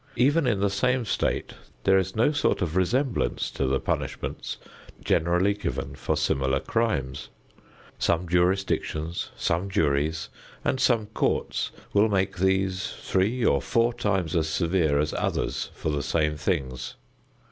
Even in the same state there is no sort of resemblance to the punishments generally given for similar crimes. Some jurisdictions, some juries and some courts will make these three or four times as severe as others for the same things.